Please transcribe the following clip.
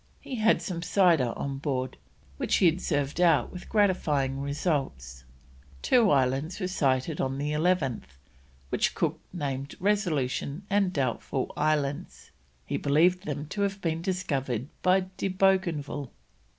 He had some cider on board, which he had served out with gratifying results. Two islands were sighted on the 11th, which Cook named Resolution and Doubtful Islands; he believed them to have been discovered by De Bougainville.